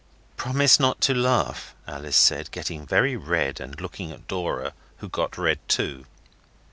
'Promise not to laugh' Alice said, getting very red, and looking at Dora, who got red too.